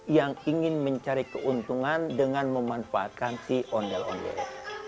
yang ingin mencari keuntungan dengan memanfaatkan si ondel ondel